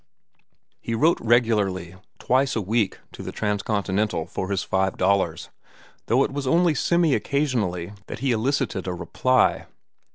He wrote regularly, twice a week, to the Transcontinental for his five dollars, though it was only semi occasionally that he elicited a reply.